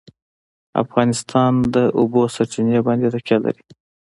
افغانستان په د اوبو سرچینې باندې تکیه لري.